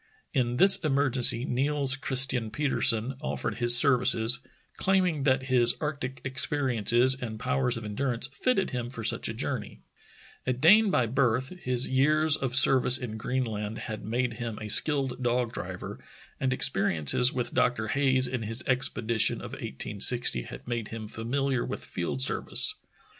In this emergency Niels Christian Petersen off"ered his ser vices, claiming that his arctic experiences and powers of endurance fitted him for such a journey. A Dane by The Saving of Petersen 219 birth, his years of service in Greenland had made him a skilled dog driver, and experiences with Dr. Hayes in his expedition of i860 had made him familiar with field service.